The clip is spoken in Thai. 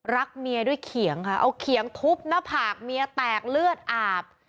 เมียด้วยเขียงค่ะเอาเขียงทุบหน้าผากเมียแตกเลือดอาบ